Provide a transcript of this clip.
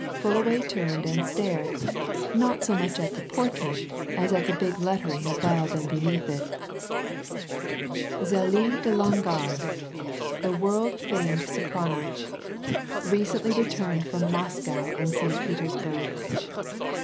Fullaway turned and stared, not so much at the portrait as at the big lettering above and beneath it: ZÉLIE DE LONGARDE, THE WORLD FAMED SOPRANO. RECENTLY RETURNED FROM MOSCOW AND ST. PETERSBURG.